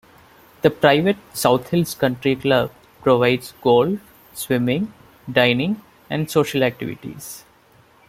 The private South Hills Country Club provides golf, swimming, dining and social activities.